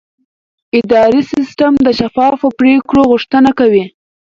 اداري سیستم د شفافو پریکړو غوښتنه کوي.